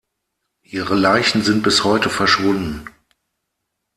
Ihre Leichen sind bis heute verschwunden.